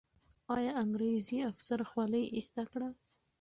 آیا انګریزي افسر خولۍ ایسته کړه؟